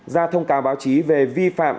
ra thông cáo báo chí về vi phạm